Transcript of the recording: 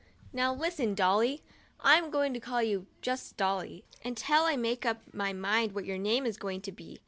Now listen, dolly ! I'm going to call you just Dolly, until I make up my mind what your name's going to be.